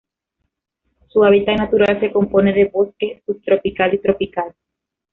Su hábitat natural se compone de bosque subtropical y tropical.